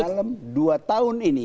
dalam dua tahun ini